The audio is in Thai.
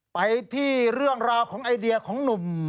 ไปที่เรื่องราวของไอเดียของหนุ่ม